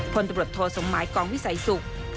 พลตำรวจโทสมหมายกองวิสัยศุกร์